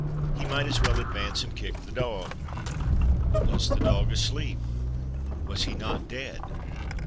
He might as well advance and kick the dog. But was the dog asleep? Was he not dead?